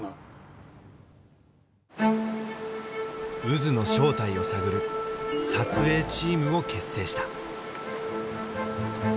渦の正体を探る撮影チームを結成した。